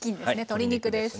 鶏肉です。